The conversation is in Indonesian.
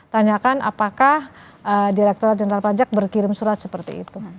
tanyakan apakah direkturat jenderal pajak berkirim surat seperti itu